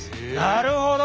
なるほど。